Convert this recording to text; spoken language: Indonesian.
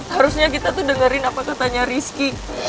harusnya kita tuh dengerin apa katanya rizky